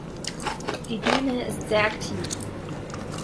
Die Düne ist sehr aktiv.